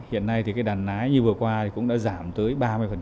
hiện nay thì cái đàn nái như vừa qua cũng đã giảm tới ba mươi